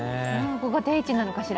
ここ、定位置なのかしら。